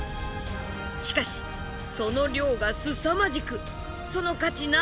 しかしその量がすさまじくその価値